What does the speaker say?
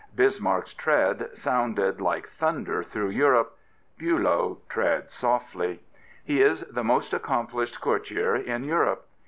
Bis marck's tread sounded like thunder through Europe: Bulow treads softly. He is the most accomplished courtier in Europe.